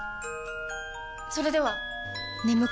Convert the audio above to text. それでは！